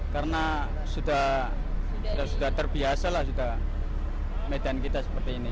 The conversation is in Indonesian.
karena sudah terbiasalah media kita seperti ini